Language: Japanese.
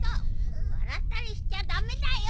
わらったりしちゃだめだよ！